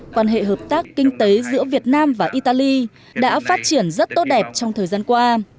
quan hệ hợp tác kinh tế giữa việt nam và italy đã phát triển rất tốt đẹp trong thời gian qua